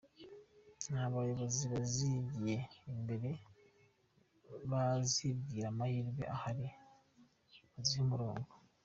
Nta bayobozi bazigiye imbere bazibwire amahirwe ahari bazihe umurongo.